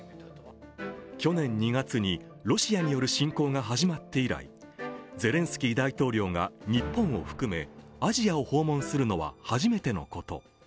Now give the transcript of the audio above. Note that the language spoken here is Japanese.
去年２月にロシアによる侵攻が始まって以来、ゼレンスキー大統領が日本を含めアジアを訪問するのは初めてのこと。